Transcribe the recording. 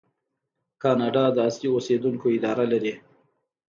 کاناډا د اصلي اوسیدونکو اداره لري.